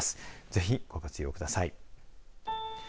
ぜひご活用ください。